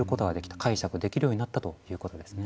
解釈できるようになったということですね。